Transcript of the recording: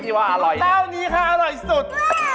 เจ้านี้ค่ะอร่อยสุด